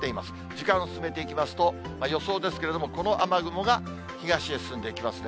時間進めていきますと、予想ですけれども、この雨雲が東へ進んでいきますね。